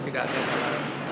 tapi mungkin yang dibuat